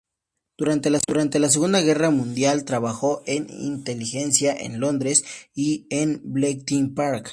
Durante la Segunda Guerra Mundial, trabajó en inteligencia en Londres y en Bletchley Park.